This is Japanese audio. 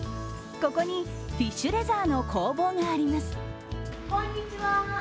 ここにフィッシュレザーの工房があります。